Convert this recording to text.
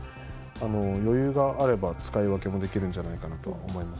余裕があれば使い分けもできるんじゃないかなと思います。